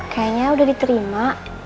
kayaknya udah diterima